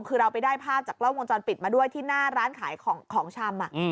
คือเราไปได้ภาพจากกล้องวงจรปิดมาด้วยที่หน้าร้านขายของชำ